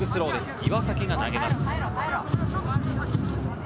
岩崎が投げます。